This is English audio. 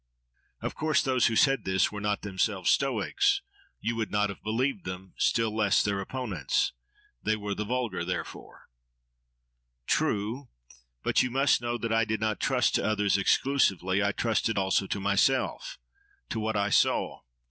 —Of course those who said this were not themselves Stoics: you would not have believed them—still less their opponents. They were the vulgar, therefore. —True! But you must know that I did not trust to others exclusively. I trusted also to myself—to what I saw.